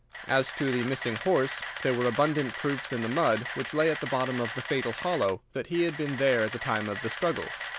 "As to the missing horse, there were abundant proofs in the mud which lay at the bottom of the fatal hollow that he had been there at the time of the struggle.